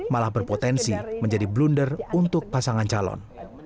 malah berpotensi menjadi blunder untuk pasangan calon